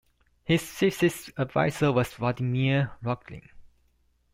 His thesis advisor was Vladimir Rokhlin.